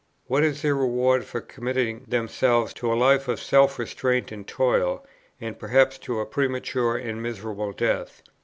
What is their reward for committing themselves to a life of self restraint and toil, and perhaps to a premature and miserable death?